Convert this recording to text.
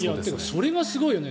それがすごいよね。